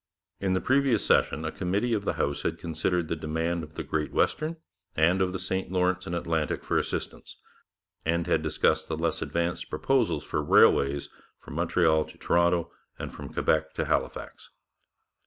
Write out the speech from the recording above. In the previous session a committee of the House had considered the demand of the Great Western and of the St Lawrence and Atlantic for assistance, and had discussed the less advanced proposals for railways from Montreal to Toronto and from Quebec to Halifax.